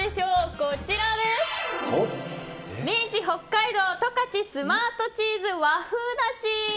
明治北海道十勝スマートチーズ和風だし。